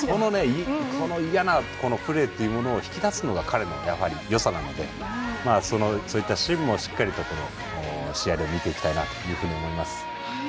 嫌なプレーっていうのを引き出すのが彼のよさなのでそういったシーンもしっかりと試合で見ていきたいなと思います。